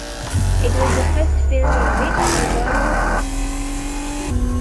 It was the first film in which Stewart sang.